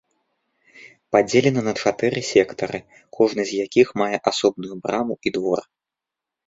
Падзелена на чатыры сектары, кожны з якіх мае асобную браму і двор.